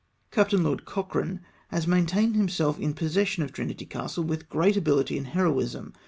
" Captain Lord Cochrane has maintained himself in the possession of Trinity castle with great ability and heroism.